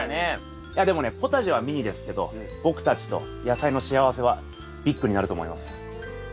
いやでもねポタジェはミニですけど僕たちと野菜の幸せはビッグになると思います。